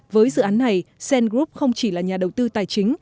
với dự án này cent group không chỉ là nhà đầu tư tài chính